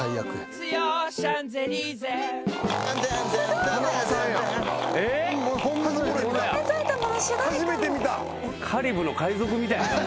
カリブの海賊みたいな感じ。